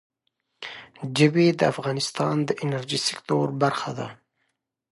ژبې د افغانستان د انرژۍ سکتور برخه ده.